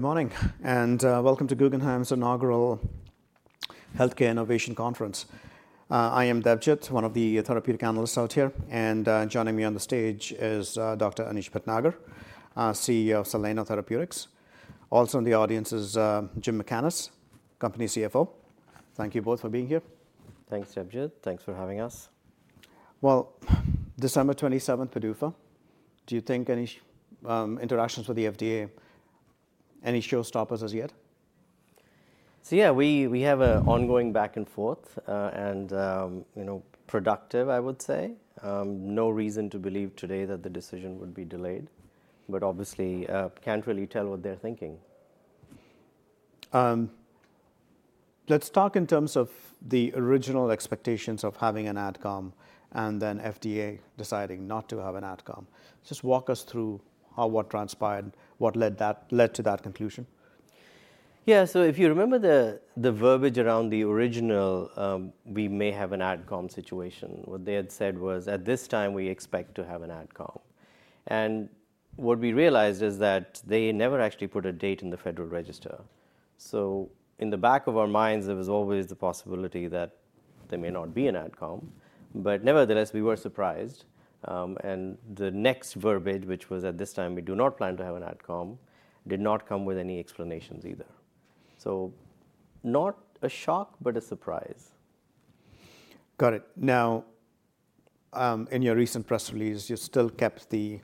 Good morning and welcome to Guggenheim's inaugural Healthcare Innovation Conference. I am Debjit, one of the therapeutic analysts out here, and joining me on the stage is Dr. Anish Bhatnagar, CEO of Soleno Therapeutics. Also in the audience is Jim Mackaness, company CFO. Thank you both for being here. Thanks, Debjit. Thanks for having us. December 27th, PDUFA. Do you think any interactions with the FDA, any showstoppers as yet? So yeah, we have an ongoing back and forth and productive, I would say. No reason to believe today that the decision would be delayed, but obviously can't really tell what they're thinking. Let's talk in terms of the original expectations of having an Adcom and then FDA deciding not to have an Adcom. Just walk us through how, what transpired, what led to that conclusion. Yeah, so if you remember the verbiage around the original, "We may have an Adcom situation," what they had said was, "At this time, we expect to have an Adcom." And what we realized is that they never actually put a date in the Federal Register. So in the back of our minds, there was always the possibility that there may not be an Adcom, but nevertheless, we were surprised. And the next verbiage, which was, "At this time, we do not plan to have an Adcom," did not come with any explanations either. So not a shock, but a surprise. Got it. Now, in your recent press release, you still kept the,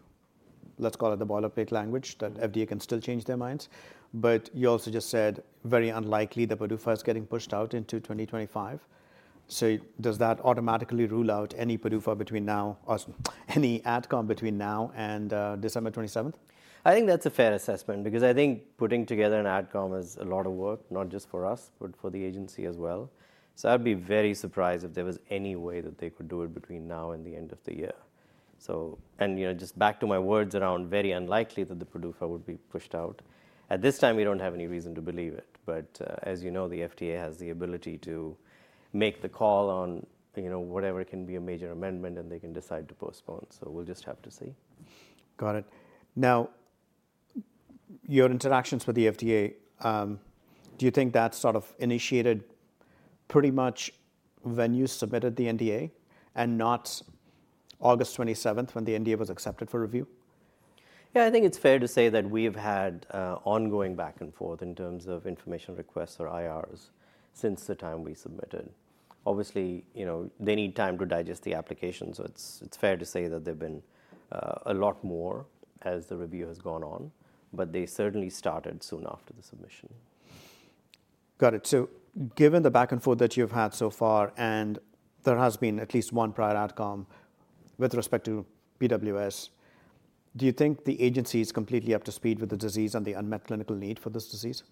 let's call it the boilerplate language, that FDA can still change their minds. But you also just said very unlikely that PDUFA is getting pushed out into 2025. So does that automatically rule out any PDUFA between now, any adcom between now and December 27th? I think that's a fair assessment because I think putting together an Adcom is a lot of work, not just for us, but for the agency as well. So I'd be very surprised if there was any way that they could do it between now and the end of the year, and just back to my words around very unlikely that the PDUFA would be pushed out. At this time, we don't have any reason to believe it, but as you know, the FDA has the ability to make the call on whatever can be a major amendment, and they can decide to postpone, so we'll just have to see. Got it. Now, your interactions with the FDA, do you think that sort of initiated pretty much when you submitted the NDA and not August 27th when the NDA was accepted for review? Yeah, I think it's fair to say that we've had ongoing back and forth in terms of information requests or IRs since the time we submitted. Obviously, they need time to digest the application. So it's fair to say that there've been a lot more as the review has gone on, but they certainly started soon after the submission. Got it. So given the back and forth that you've had so far, and there has been at least one prior Adcom with respect to PWS, do you think the agency is completely up to speed with the disease and the unmet clinical need for this disease?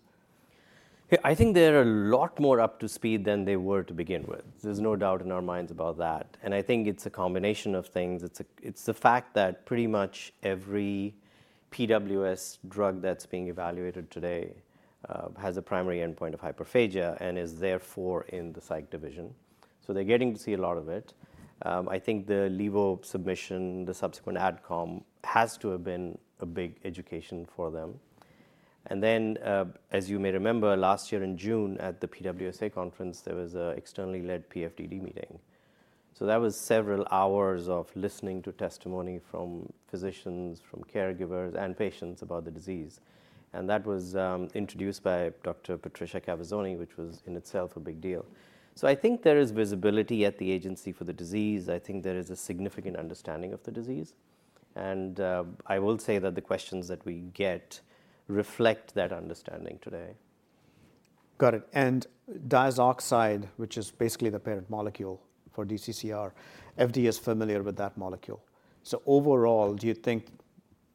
I think they're a lot more up to speed than they were to begin with. There's no doubt in our minds about that, and I think it's a combination of things. It's the fact that pretty much every PWS drug that's being evaluated today has a primary endpoint of hyperphagia and is therefore in the psych division, so they're getting to see a lot of it. I think the Levo submission, the subsequent Adcom has to have been a big education for them, and then, as you may remember, last year in June at the PWSA conference, there was an externally led PFDD meeting, so that was several hours of listening to testimony from physicians, from caregivers, and patients about the disease, and that was introduced by Dr. Patrizia Cavazzoni, which was in itself a big deal, so I think there is visibility at the agency for the disease. I think there is a significant understanding of the disease, and I will say that the questions that we get reflect that understanding today. Got it. And diazoxide, which is basically the parent molecule for DCCR, FDA is familiar with that molecule. So overall, do you think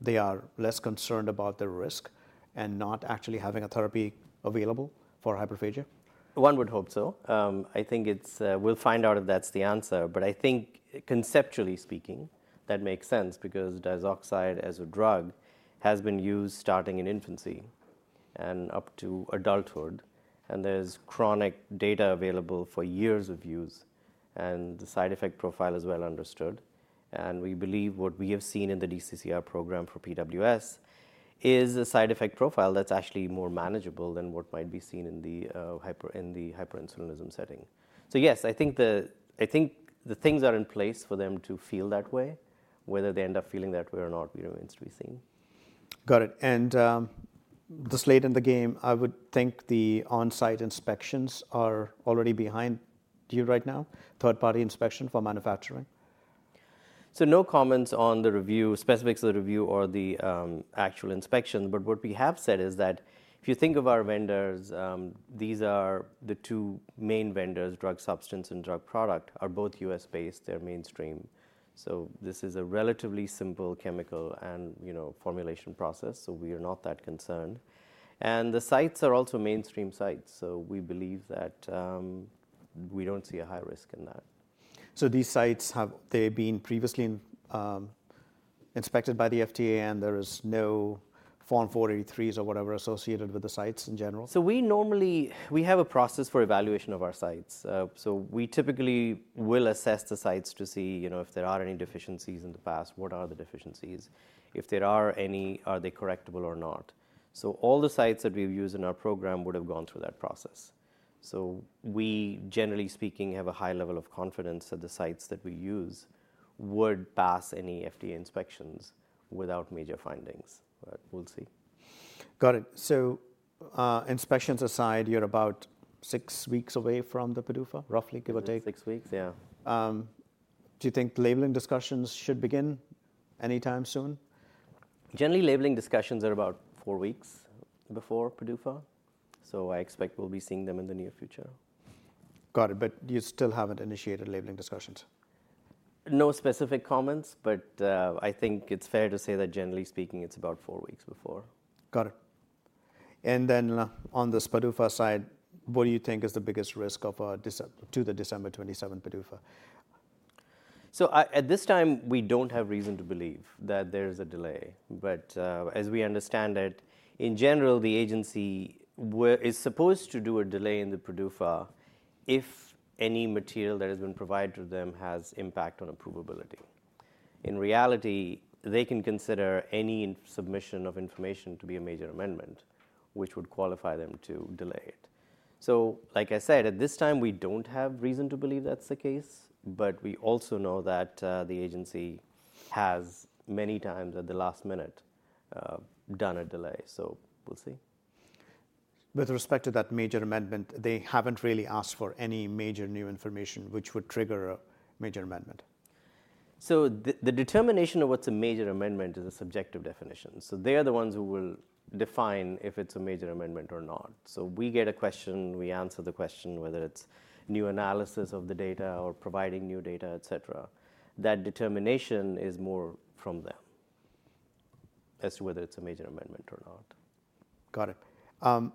they are less concerned about the risk and not actually having a therapy available for hyperphagia? One would hope so. I think we'll find out if that's the answer. But I think conceptually speaking, that makes sense because diazoxide as a drug has been used starting in infancy and up to adulthood. And there's chronic data available for years of use. And the side effect profile is well understood. And we believe what we have seen in the DCCR program for PWS is a side effect profile that's actually more manageable than what might be seen in the hyperinsulinism setting. So yes, I think the things are in place for them to feel that way. Whether they end up feeling that way or not remains to be seen. Got it, and just late in the game, I would think the onsite inspections are already behind you right now, third-party inspection for manufacturing. So, no comments on the review, specifics of the review, or the actual inspection. But what we have said is that if you think of our vendors, these are the two main vendors, drug substance and drug product, are both U.S.-based. They're mainstream. So this is a relatively simple chemical and formulation process. So we are not that concerned. And the sites are also mainstream sites. So we believe that we don't see a high risk in that. These sites, have they been previously inspected by the FDA and there is no Form 483s or whatever associated with the sites in general? So we normally, we have a process for evaluation of our sites. So we typically will assess the sites to see if there are any deficiencies in the past, what are the deficiencies, if there are any, are they correctable or not. So all the sites that we use in our program would have gone through that process. So we generally speaking have a high level of confidence that the sites that we use would pass any FDA inspections without major findings. But we'll see. Got it. So inspections aside, you're about six weeks away from the PDUFA, roughly give or take. Six weeks, yeah. Do you think labeling discussions should begin anytime soon? Generally, labeling discussions are about four weeks before PDUFA. So I expect we'll be seeing them in the near future. Got it. But you still haven't initiated labeling discussions? No specific comments, but I think it's fair to say that generally speaking, it's about four weeks before. Got it, and then on the PDUFA side, what do you think is the biggest risk to the December 27th PDUFA? So at this time, we don't have reason to believe that there is a delay. But as we understand it, in general, the agency is supposed to do a delay in the PDUFA if any material that has been provided to them has impact on approvability. In reality, they can consider any submission of information to be a major amendment, which would qualify them to delay it. So like I said, at this time, we don't have reason to believe that's the case. But we also know that the agency has many times at the last minute done a delay. So we'll see. With respect to that major amendment, they haven't really asked for any major new information which would trigger a major amendment. So the determination of what's a major amendment is a subjective definition. So they are the ones who will define if it's a major amendment or not. So we get a question, we answer the question, whether it's new analysis of the data or providing new data, et cetera. That determination is more from them as to whether it's a major amendment or not. Got it. One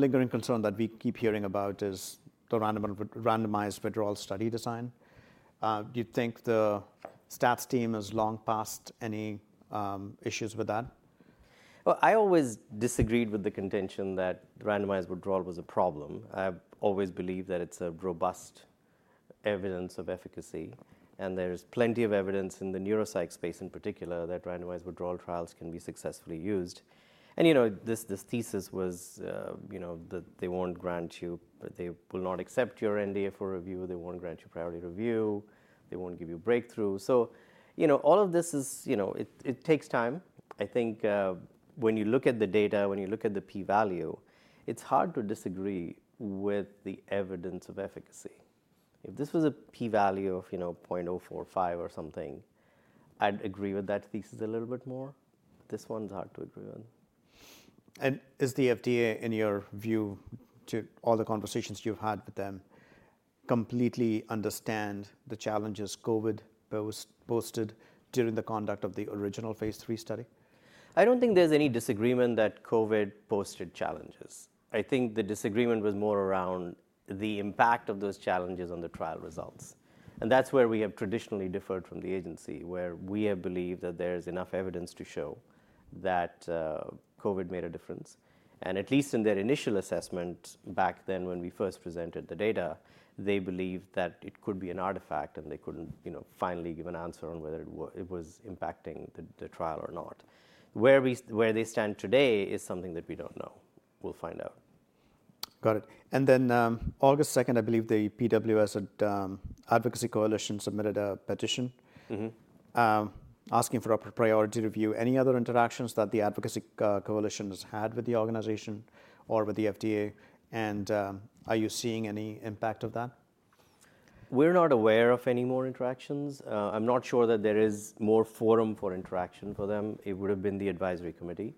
lingering concern that we keep hearing about is the randomized withdrawal study design. Do you think the stats team has long past any issues with that? I always disagreed with the contention that randomized withdrawal was a problem. I've always believed that it's a robust evidence of efficacy. There is plenty of evidence in the neuropsych space in particular that randomized withdrawal trials can be successfully used. This thesis was that they won't grant you, they will not accept your NDA for review, they won't grant you priority review, they won't give you breakthrough. All of this is, it takes time. I think when you look at the data, when you look at the p-value, it's hard to disagree with the evidence of efficacy. If this was a p-value of 0.045 or something, I'd agree with that thesis a little bit more. This one's hard to agree with. Is the FDA, in your view, to all the conversations you've had with them, completely understand the challenges COVID posed during the conduct of the original phase III study? I don't think there's any disagreement that COVID posted challenges. I think the disagreement was more around the impact of those challenges on the trial results, and that's where we have traditionally differed from the agency, where we have believed that there is enough evidence to show that COVID made a difference, and at least in their initial assessment back then when we first presented the data, they believed that it could be an artifact and they couldn't finally give an answer on whether it was impacting the trial or not. Where they stand today is something that we don't know. We'll find out. Got it. And then August 2nd, I believe the PWS advocacy coalition submitted a petition asking for a priority review. Any other interactions that the advocacy coalition has had with the organization or with the FDA? And are you seeing any impact of that? We're not aware of any more interactions. I'm not sure that there is more forum for interaction for them. It would have been the advisory committee,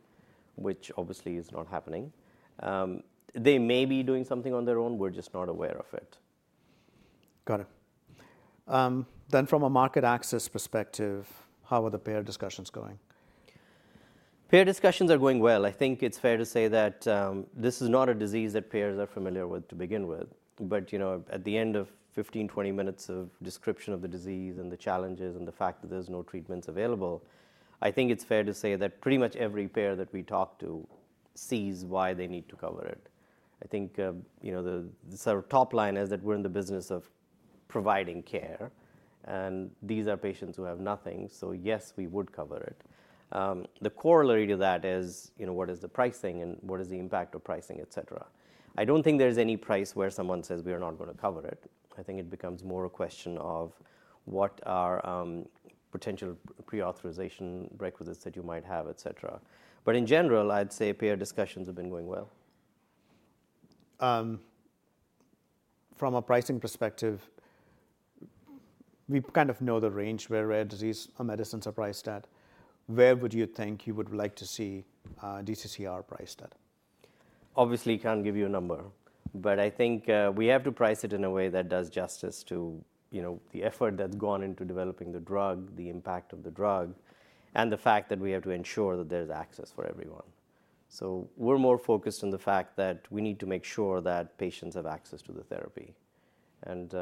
which obviously is not happening. They may be doing something on their own. We're just not aware of it. Got it. Then from a market access perspective, how are the payer discussions going? Payer discussions are going well. I think it's fair to say that this is not a disease that payers are familiar with to begin with. But at the end of 15-20 minutes of description of the disease and the challenges and the fact that there's no treatments available, I think it's fair to say that pretty much every payer that we talk to sees why they need to cover it. I think the sort of top line is that we're in the business of providing care. And these are patients who have nothing. So yes, we would cover it. The corollary to that is what is the pricing and what is the impact of pricing, et cetera. I don't think there's any price where someone says, "We are not going to cover it." I think it becomes more a question of what are potential pre-authorization requisites that you might have, et cetera. But in general, I'd say payer discussions have been going well. From a pricing perspective, we kind of know the range where rare disease medicines are priced at. Where would you think you would like to see DCCR priced at? Obviously, I can't give you a number, but I think we have to price it in a way that does justice to the effort that's gone into developing the drug, the impact of the drug, and the fact that we have to ensure that there's access for everyone, so we're more focused on the fact that we need to make sure that patients have access to the therapy, and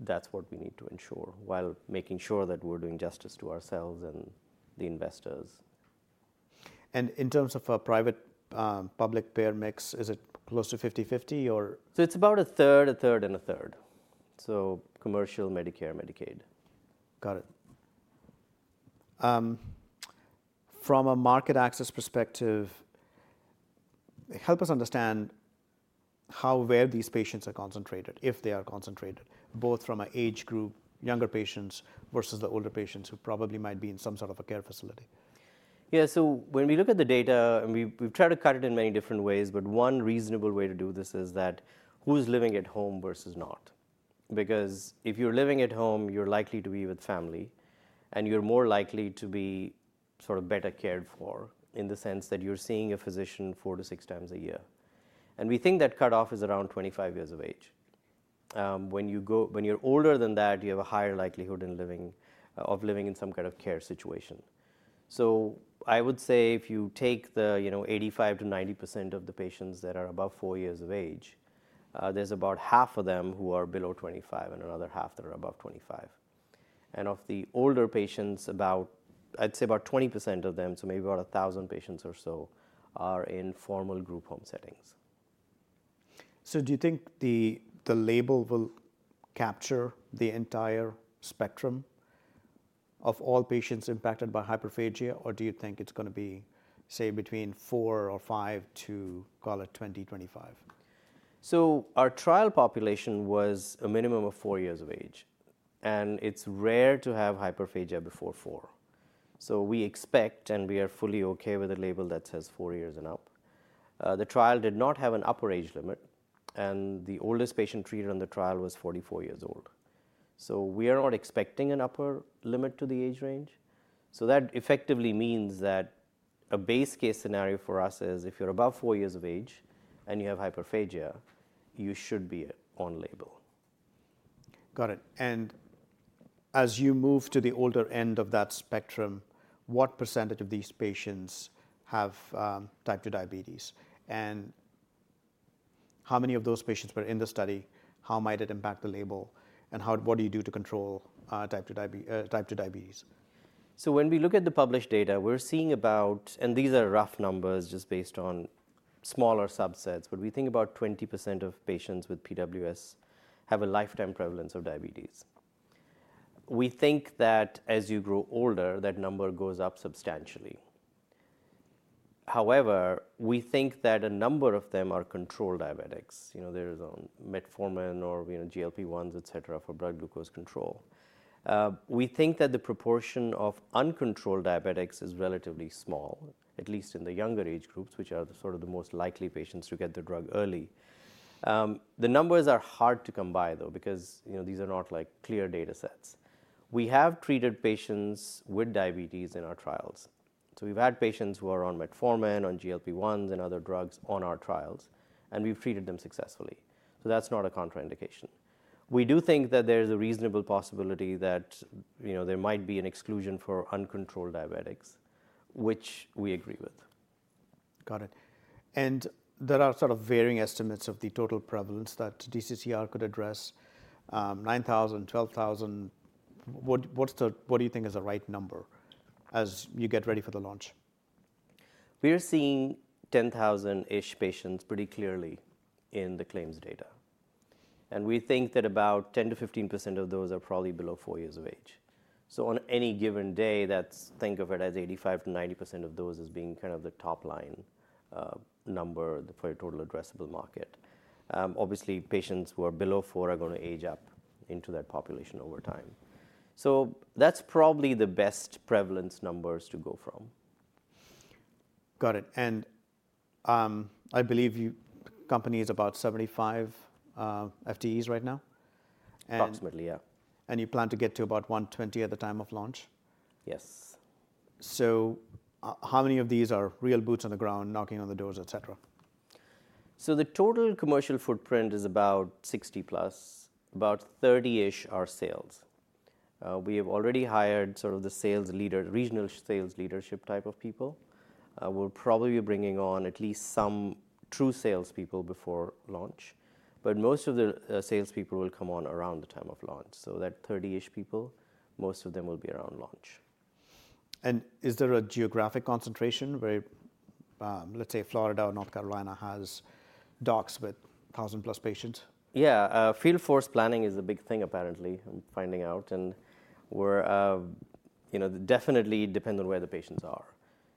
that's what we need to ensure while making sure that we're doing justice to ourselves and the investors. In terms of a private-public payer mix, is it close to 50/50 or? So it's about a third, a third, and a third. So commercial, Medicare, Medicaid. Got it. From a market access perspective, help us understand how, where these patients are concentrated, if they are concentrated, both from an age group, younger patients versus the older patients who probably might be in some sort of a care facility. Yeah. So when we look at the data, we've tried to cut it in many different ways. But one reasonable way to do this is that who's living at home versus not. Because if you're living at home, you're likely to be with family. And you're more likely to be sort of better cared for in the sense that you're seeing a physician four to six times a year. And we think that cutoff is around 25 years of age. When you're older than that, you have a higher likelihood of living in some kind of care situation. So I would say if you take the 85%-90% of the patients that are above four years of age, there's about half of them who are below 25 and another half that are above 25. Of the older patients, I'd say about 20% of them, so maybe about 1,000 patients or so, are in formal group home settings. Do you think the label will capture the entire spectrum of all patients impacted by hyperphagia? Or do you think it's going to be, say, between four or five to, call it, 20, 25? So our trial population was a minimum of four years of age. And it's rare to have hyperphagia before four. So we expect and we are fully okay with a label that says four years and up. The trial did not have an upper age limit. And the oldest patient treated on the trial was 44 years old. So we are not expecting an upper limit to the age range. So that effectively means that a base case scenario for us is if you're above four years of age and you have hyperphagia, you should be on label. Got it. And as you move to the older end of that spectrum, what percentage of these patients have type 2 diabetes? And how many of those patients were in the study? How might it impact the label? And what do you do to control type 2 diabetes? So when we look at the published data, we're seeing about, and these are rough numbers just based on smaller subsets, but we think about 20% of patients with PWS have a lifetime prevalence of diabetes. We think that as you grow older, that number goes up substantially. However, we think that a number of them are controlled diabetics. There is metformin or GLP-1s, et cetera, for blood glucose control. We think that the proportion of uncontrolled diabetics is relatively small, at least in the younger age groups, which are sort of the most likely patients to get the drug early. The numbers are hard to combine, though, because these are not clear data sets. We have treated patients with diabetes in our trials. So we've had patients who are on metformin, on GLP-1s, and other drugs on our trials. And we've treated them successfully. So that's not a contraindication. We do think that there is a reasonable possibility that there might be an exclusion for uncontrolled diabetics, which we agree with. Got it. And there are sort of varying estimates of the total prevalence that DCCR could address, 9,000, 12,000. What do you think is the right number as you get ready for the launch? We are seeing 10,000-ish patients pretty clearly in the claims data. And we think that about 10%-15% of those are probably below four years of age. So on any given day, think of it as 85%-90% of those as being kind of the top line number for a total addressable market. Obviously, patients who are below four are going to age up into that population over time. So that's probably the best prevalence numbers to go from. Got it. And I believe your company is about 75 FTEs right now. Approximately, yeah. You plan to get to about 120 at the time of launch? Yes. So how many of these are real boots on the ground, knocking on the doors, et cetera? So the total commercial footprint is about 60+. About 30-ish are sales. We have already hired sort of the regional sales leadership type of people. We'll probably be bringing on at least some true salespeople before launch. But most of the salespeople will come on around the time of launch. So that 30-ish people, most of them will be around launch. Is there a geographic concentration where, let's say, Florida or North Carolina has docs with 1,000+ patients? Yeah. Field force planning is a big thing, apparently, I'm finding out. And it definitely depends on where the patients are.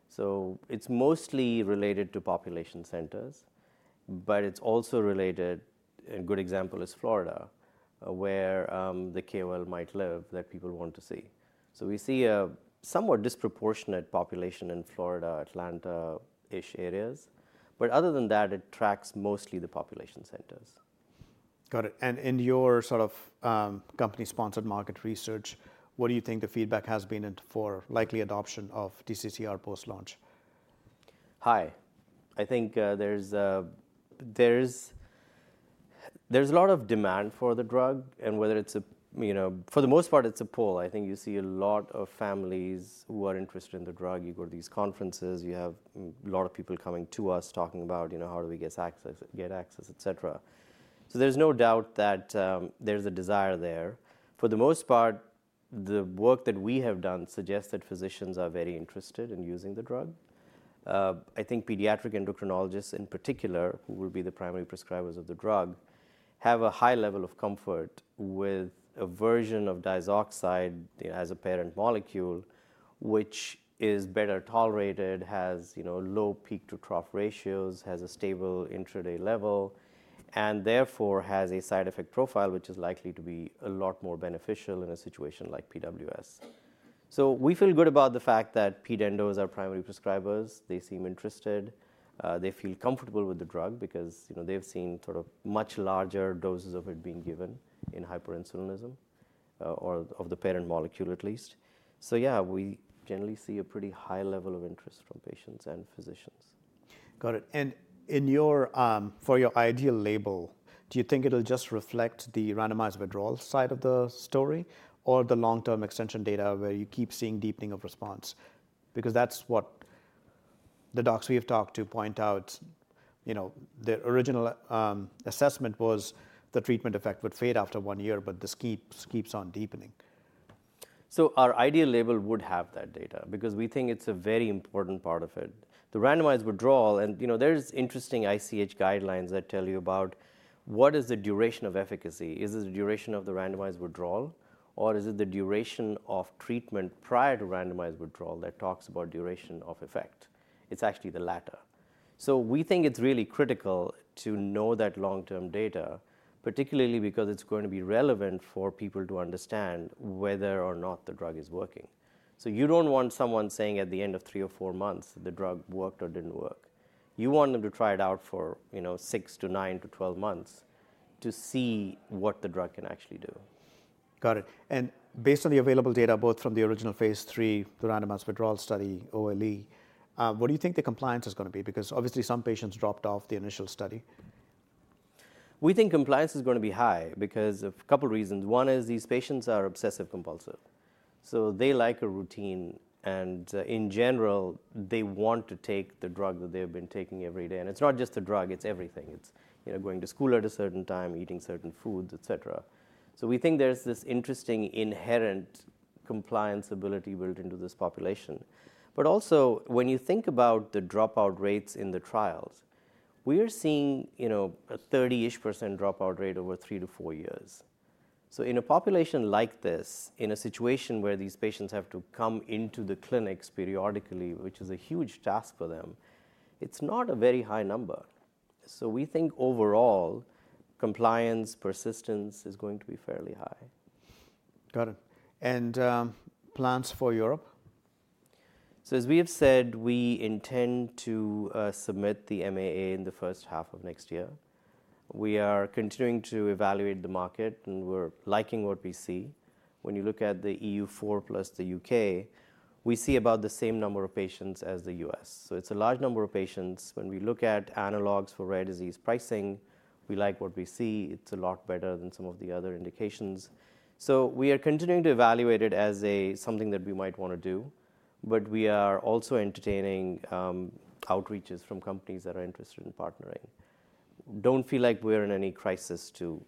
So it's mostly related to population centers. But it's also related, a good example is Florida, where the KOL might live that people want to see. So we see a somewhat disproportionate population in Florida, Atlanta-ish areas. But other than that, it tracks mostly the population centers. Got it. And in your sort of company-sponsored market research, what do you think the feedback has been for likely adoption of DCCR post-launch? Hi. I think there's a lot of demand for the drug. And whether it's a, for the most part, it's a pull. I think you see a lot of families who are interested in the drug. You go to these conferences. You have a lot of people coming to us talking about how do we get access, etcetera. So there's no doubt that there's a desire there. For the most part, the work that we have done suggests that physicians are very interested in using the drug. I think pediatric endocrinologists, in particular, who will be the primary prescribers of the drug, have a high level of comfort with a version of diazoxide as a parent molecule, which is better tolerated, has low peak-to-trough ratios, has a stable intraday level, and therefore has a side effect profile which is likely to be a lot more beneficial in a situation like PWS. So we feel good about the fact that ped endos is our primary prescribers. They seem interested. They feel comfortable with the drug because they've seen sort of much larger doses of it being given in hyperinsulinism or of the parent molecule, at least. So yeah, we generally see a pretty high level of interest from patients and physicians. Got it. And for your ideal label, do you think it'll just reflect the randomized withdrawal side of the story or the long-term extension data where you keep seeing deepening of response? Because that's what the docs we have talked to point out. Their original assessment was the treatment effect would fade after one year, but this keeps on deepening. Our ideal label would have that data because we think it's a very important part of it. The randomized withdrawal, and there's interesting ICH guidelines that tell you about what is the duration of efficacy. Is it the duration of the randomized withdrawal? Or is it the duration of treatment prior to randomized withdrawal that talks about duration of effect? It's actually the latter. We think it's really critical to know that long-term data, particularly because it's going to be relevant for people to understand whether or not the drug is working. You don't want someone saying at the end of three or four months, the drug worked or didn't work. You want them to try it out for six to nine to 12 months to see what the drug can actually do. Got it. And based on the available data, both from the original phase III, the randomized withdrawal study, OLE, what do you think the compliance is going to be? Because obviously, some patients dropped off the initial study. We think compliance is going to be high because of a couple of reasons. One is these patients are obsessive-compulsive. So they like a routine. And in general, they want to take the drug that they've been taking every day. And it's not just the drug. It's everything. It's going to school at a certain time, eating certain foods, et cetera. So we think there's this interesting inherent compliance ability built into this population. But also, when you think about the dropout rates in the trials, we are seeing a 30-ish% dropout rate over three to four years. So in a population like this, in a situation where these patients have to come into the clinics periodically, which is a huge task for them, it's not a very high number. So we think overall, compliance persistence is going to be fairly high. Got it. And plans for Europe? So as we have said, we intend to submit the MAA in the first half of next year. We are continuing to evaluate the market. And we're liking what we see. When you look at the EU4 plus the U.K., we see about the same number of patients as the U.S. So it's a large number of patients. When we look at analogs for rare disease pricing, we like what we see. It's a lot better than some of the other indications. So we are continuing to evaluate it as something that we might want to do. But we are also entertaining outreaches from companies that are interested in partnering. Don't feel like we're in any crisis to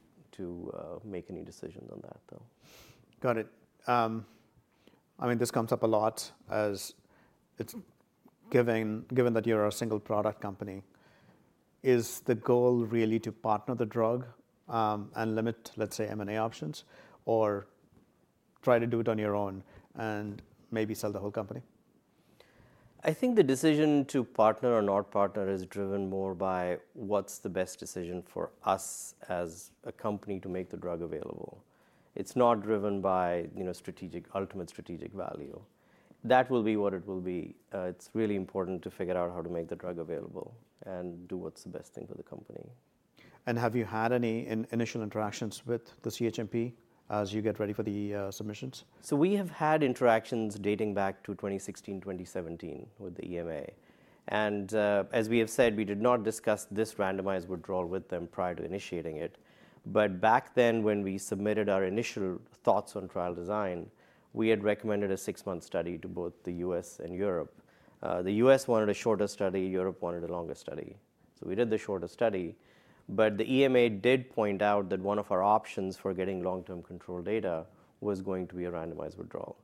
make any decisions on that, though. Got it. I mean, this comes up a lot as given that you're a single-product company, is the goal really to partner the drug and limit, let's say, M&A options? Or try to do it on your own and maybe sell the whole company? I think the decision to partner or not partner is driven more by what's the best decision for us as a company to make the drug available. It's not driven by ultimate strategic value. That will be what it will be. It's really important to figure out how to make the drug available and do what's the best thing for the company. Have you had any initial interactions with the CHMP as you get ready for the submissions? So we have had interactions dating back to 2016, 2017 with the EMA. And as we have said, we did not discuss this randomized withdrawal with them prior to initiating it. But back then, when we submitted our initial thoughts on trial design, we had recommended a six-month study to both the U.S. and Europe. The U.S. wanted a shorter study. Europe wanted a longer study. So we did the shorter study. But the EMA did point out that one of our options for getting long-term control data was going to be a randomized withdrawal.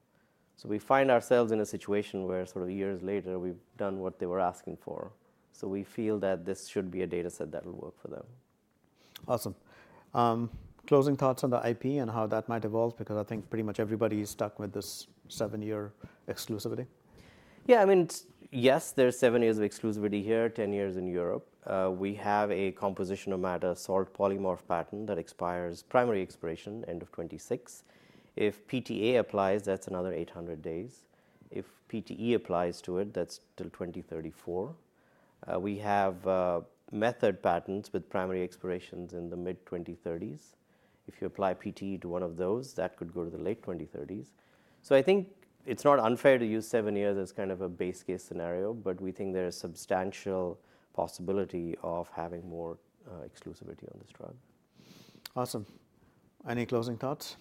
So we find ourselves in a situation where sort of years later, we've done what they were asking for. So we feel that this should be a data set that will work for them. Awesome. Closing thoughts on the IP and how that might evolve? Because I think pretty much everybody is stuck with this seven-year exclusivity. Yeah. I mean, yes, there's seven years of exclusivity here, 10 years in Europe. We have a composition of matter, salt polymorph patent that expires with primary expiration end of 2026. If PTA applies, that's another 800 days. If PTE applies to it, that's till 2034. We have method patents with primary expirations in the mid-2030s. If you apply PTE to one of those, that could go to the late 2030s. So I think it's not unfair to use seven years as kind of a base case scenario. But we think there is substantial possibility of having more exclusivity on this drug. Awesome. Any closing thoughts?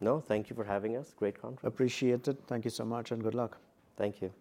No. Thank you for having us. Great conference. Appreciate it. Thank you so much and good luck. Thank you.